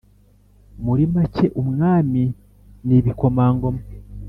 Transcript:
muri make, umwami n' ibikomangoma;